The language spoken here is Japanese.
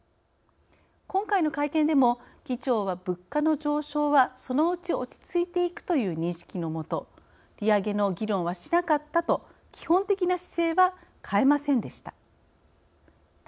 今回の会見でも、議長は物価の上昇はそのうち落ち着いていくという認識のもと利上げの議論はしなかったと基本的な姿勢は変えませんでした。